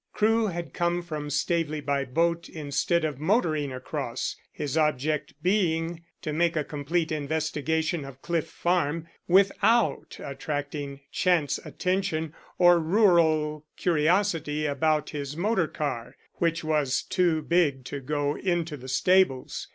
Crewe had come from Staveley by boat instead of motoring across, his object being to make a complete investigation of Cliff Farm without attracting chance attention or rural curiosity about his motor car, which was too big to go into the stables.